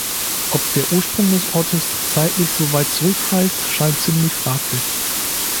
Ob der Ursprung des Ortes zeitlich soweit zurückreicht, scheint ziemlich fraglich.